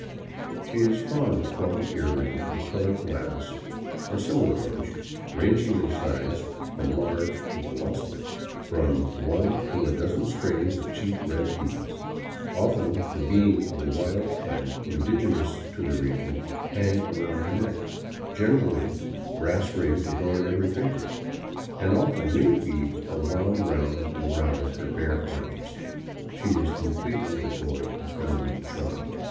She is fond of gaudy earrings of colored glass or similar rubbish, ranging in size from large to colossal; from one to a dozen strings of cheap red beads, often the bean of a wild plant indigenous to the region, hang around her neck; generally brass rings adorn every finger; and often many beads are wound round and round her bare arms. She is completely devoid of feminine charm.